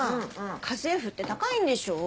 家政婦って高いんでしょ？